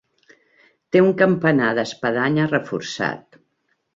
Té un campanar d'espadanya reforçat.